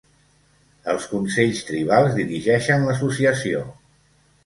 Els consells tribals dirigeixen l'Associació.